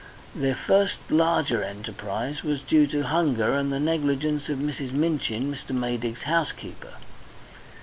Their first larger enterprise was due to hunger and the negligence of Mrs. Minchin, Mr. Maydig's housekeeper.